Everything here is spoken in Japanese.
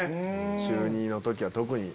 中２の時は特に。